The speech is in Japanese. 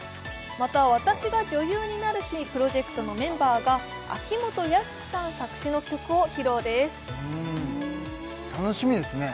また「私が女優になる日」プロジェクトのメンバーが秋元康さん作詞の曲を披露です楽しみですね